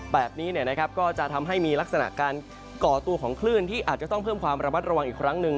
แบบนี้ก็จะทำให้มีลักษณะการก่อตัวของคลื่นที่อาจจะต้องเพิ่มความระมัดระวังอีกครั้งหนึ่ง